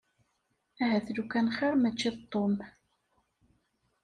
Ahat lukan xir mačči d Tom.